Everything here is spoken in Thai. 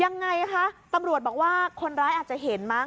ยังไงคะตำรวจบอกว่าคนร้ายอาจจะเห็นมั้